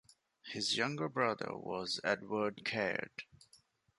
His younger brother was Edward Caird.